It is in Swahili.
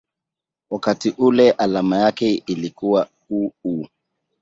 wakati ule alama yake ilikuwa µµ.